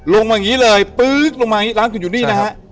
ลงมาอย่างนี้เลยปึ๊กลงมาอย่างนี้ร้านคุณอยู่นี่นะฮะ